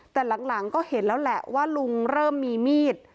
แต่หลังก็เห็นแล้วแหละว่าลุงเริ่มมีมีด